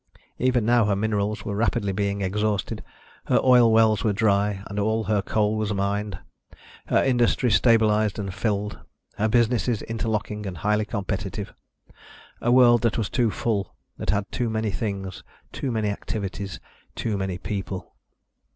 Even now her minerals were rapidly being exhausted; her oil wells were dry and all her coal was mined; her industry stabilized and filled; her businesses interlocking and highly competitive. A world that was too full, that had too many things, too many activities, too many people.